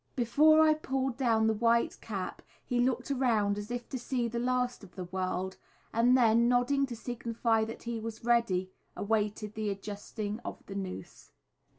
Before I pulled down the white cap he looked around as if to see the last of the world, and then, nodding to signify that he was ready, awaited the adjusting of the noose.